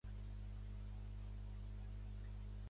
Té un germà gran, Danny Christie.